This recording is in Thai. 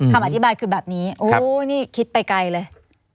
คำอธิบายคือแบบนี้โอ้นี่คิดไปไกลเลย